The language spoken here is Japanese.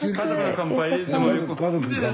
「家族に乾杯」